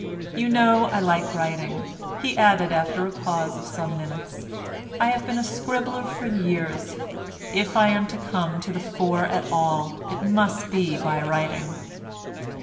You know I like writing," he added after a pause of some minutes, "I have been a scribbler for years. If I am to come to the fore at all it must be by writing."